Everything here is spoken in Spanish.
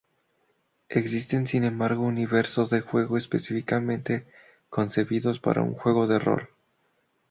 Existen sin embargo universos de juego específicamente concebidos para un juego de rol.